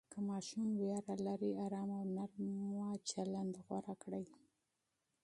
که ماشوم ویره لري، آرام او نرمه رویه غوره کړئ.